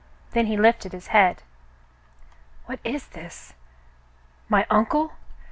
Then he lifted his head. "What is this? My uncle .'